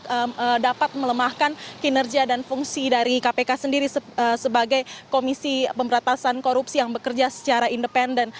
karena dinilai banyak pihak dapat melemahkan kinerja dan fungsi dari kpk sendiri sebagai komisi pemberatasan korupsi yang bekerja secara independen